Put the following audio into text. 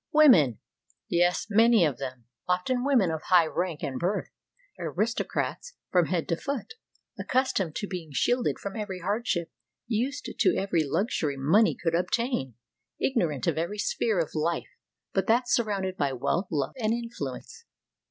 Women! Yes, many of them, often women of high rank and birth, aristo crats from head to foot, accustomed to being shielded from every hardship, used to every luxury money could obtain, ignorant of every sphere of life but that sur rounded by wealth, love, and influence.